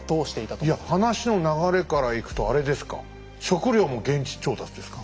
いや話の流れからいくとあれですか食料も現地調達ですか。